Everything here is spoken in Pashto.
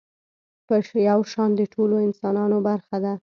په يو شان د ټولو انسانانو برخه ده.